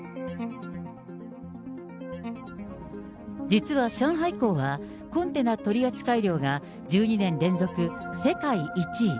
実は上海港は、コンテナ取り扱い量が１２年連続世界１位。